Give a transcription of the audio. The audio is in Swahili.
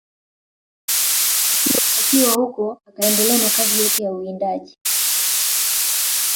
Akiwa huko akaendelea na kazi yake ya uwindaji